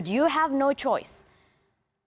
lnr saya adalah yang terburuk di dunia